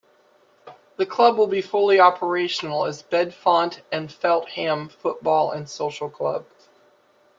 The club will be fully operational as Bedfont and Feltham Football and Social Club.